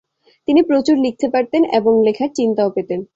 তিনি প্রচুর লিখতে পারতেন এবং লেখার চিন্তাও পেতেন।